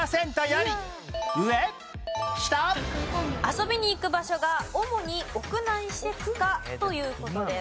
遊びに行く場所が主に屋内施設か？という事です。